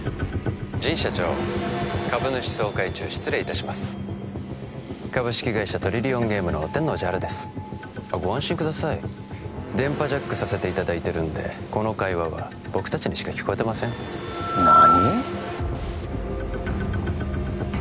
神社長株主総会中失礼いたします株式会社トリリオンゲームの天王寺陽ですご安心ください電波ジャックさせていただいてるんでこの会話は僕達にしか聞こえてません何？